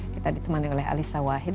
kita ditemani oleh alisa wahid